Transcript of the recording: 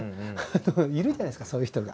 いるじゃないですかそういう人が。